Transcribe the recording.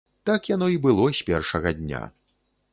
Так яно і было з пешага дня.